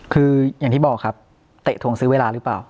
คืออย่างที่บอกครับเตะทงซื้อเวลาหรือเปล่า